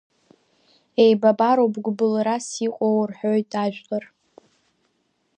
Еибабароуп гәбылрас иҟоу, – рҳәоит ажәлар.